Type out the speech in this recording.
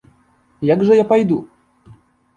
Як жа я пайду?